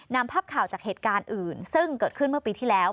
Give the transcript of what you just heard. นำภาพข่าวจากเหตุการณ์อื่นซึ่งเกิดขึ้นเมื่อปีที่แล้ว